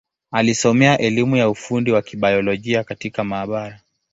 Alisomea elimu ya ufundi wa Kibiolojia katika maabara.